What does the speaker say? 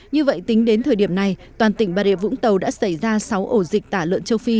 như vậy tính đến thời điểm này toàn tỉnh bà rịa vũng tàu đã xảy ra sáu ổ dịch tả lợn châu phi